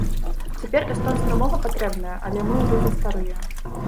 Цяпер эстонская мова патрэбная, але мы ўжо застарыя.